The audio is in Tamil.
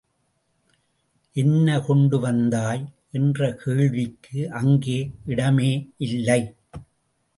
என்ன கொண்டு வந்தாய்? என்ற கேள்விக்கு அங்கே இடமே இல்லை.